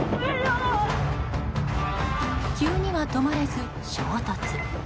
急には止まれず、衝突。